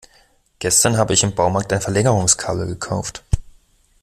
Gestern habe ich im Baumarkt ein Verlängerungskabel gekauft.